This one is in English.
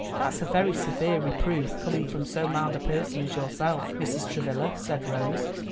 "That's a very severe reproof, coming from so mild a person as yourself, Mrs. Travilla," said Rose.